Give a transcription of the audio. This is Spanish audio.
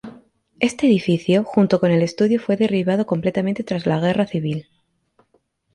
Este edificio, junto con el estudio fue derribado completamente tras la Guerra Civil.